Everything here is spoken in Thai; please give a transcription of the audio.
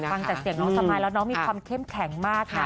ใช่ค่ะฟังแต่เสียงน้องสมัยแล้วน้องมีความเข้มแข็งมากค่ะ